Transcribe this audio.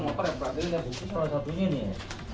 ini ada barang repreterian dan bukti salah satunya nih